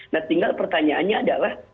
nah tinggal pertanyaannya adalah